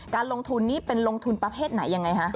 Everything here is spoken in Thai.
การลงทุนนี้เป็นลงทุนประเภทไหนยังไงคะ